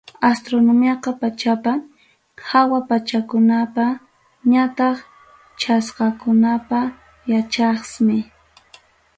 Astronomiaqa pachapa, hawa pachakunapa ñataq chaskakunapa yachachqmi.